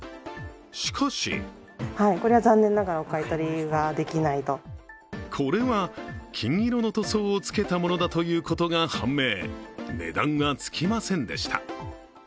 しかしこれは、金色の塗装をつけたものだということが判明、値段はつきませんでした。